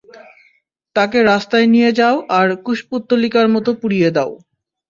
তাকে রাস্তায় নিয়ে যাও আর কুশপুত্তলিকার মত পুড়িয়ে দাও।